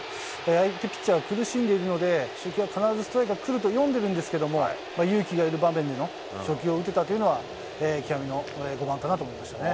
相手ピッチャーが苦しんでいるので、球種はストレートが来ると読んでいるんですけれども、勇気がいる場面での初球を打てたというのは、極みの５番かなと思いましたね。